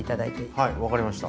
はい分かりました。